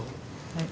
はい。